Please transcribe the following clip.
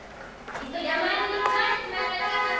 いっそ山犬に食われちまえばよかったんだ！